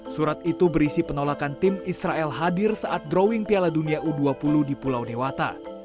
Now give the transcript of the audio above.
surat itu berisi penolakan tim israel hadir saat drawing piala dunia u dua puluh di pulau dewata